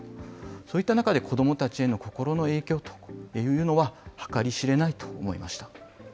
そういった中で、子どもたちへの心の影響というのは、計り知れないと思いました。